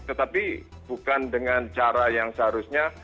tetapi bukan dengan cara yang seharusnya